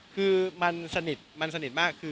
คือมันสนิทมันสนิทมากคือ